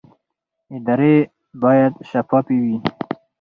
ادارې باید شفافې وي